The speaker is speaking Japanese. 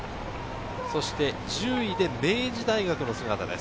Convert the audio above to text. そして１０位で明治大学の姿です。